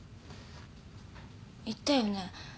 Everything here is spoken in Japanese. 言ったよね？